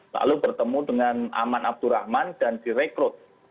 lalu bertemu dengan aman abdurrahman dan direkrut